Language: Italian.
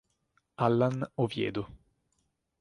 Allan Oviedo